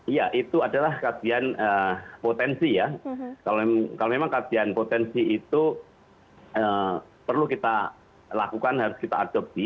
iya itu adalah kajian potensi ya kalau memang kajian potensi itu perlu kita lakukan harus kita adopsi